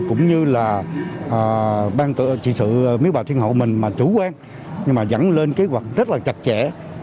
cũng như là ban trị sự miếu bà thiên hậu mình mà chủ quan nhưng mà dẫn lên kế hoạch rất là chặt chẽ